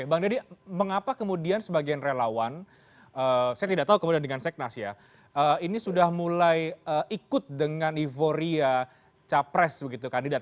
bang deddy mengapa kemudian sebagian relawan saya tidak tahu kemudian dengan seknas ya ini sudah mulai ikut dengan euforia capres begitu kandidat